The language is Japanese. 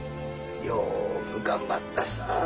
よく頑張ったさぁ。